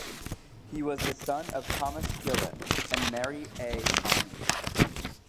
He was the son of Thomas Gillen and Mary A. Conry.